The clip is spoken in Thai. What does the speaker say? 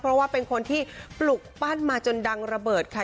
เพราะว่าเป็นคนที่ปลุกปั้นมาจนดังระเบิดค่ะ